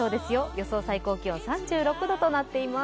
予想最高気温３６度となっています。